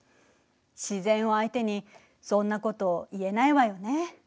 自然を相手にそんなこと言えないわよね。